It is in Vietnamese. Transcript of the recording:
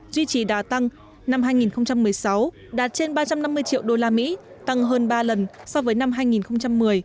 duy trì đà tăng năm hai nghìn một mươi sáu đạt trên ba trăm năm mươi triệu đô la mỹ tăng hơn ba lần so với năm hai nghìn một mươi